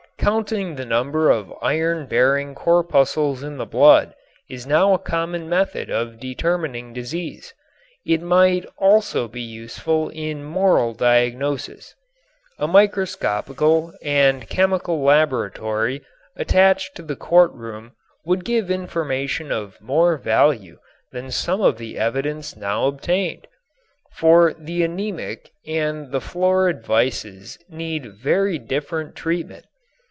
Counting the number of iron bearing corpuscles in the blood is now a common method of determining disease. It might also be useful in moral diagnosis. A microscopical and chemical laboratory attached to the courtroom would give information of more value than some of the evidence now obtained. For the anemic and the florid vices need very different treatment.